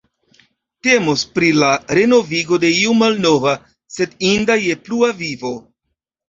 Temos pri la renovigo de io malnova, sed inda je plua vivo.